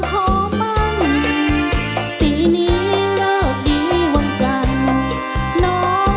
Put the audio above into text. ตีนี้เลิกดีหวังจัง